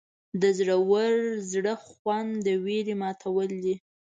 د زړور زړه خوند د ویرې ماتول دي.